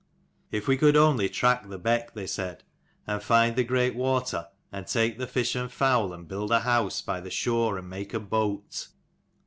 " If we could only track the beck," L Si they said, "and find the great water, and take the fish and fowl, and build a house by the shore and make a boat